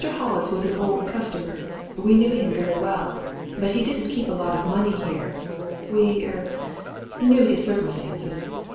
Hollis was an old customer we knew him very well but he didn't keep a lot of money here. We er know his circumstances.